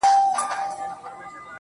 وايي چې فضول د «فضل» جمع ده